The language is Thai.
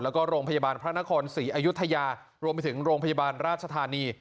แล้วก็โรงพยาบาลพระนครศรีอยุธยารวมไปถึงโรงพยาบาลราชธานี